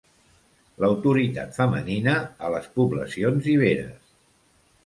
L'autoritat femenina a les poblacions iberes.